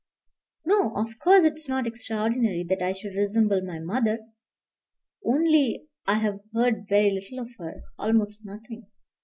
"No; of course it is not extraordinary that I should resemble my mother. Only I have heard very little of her almost nothing."